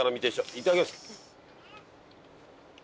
いただきます。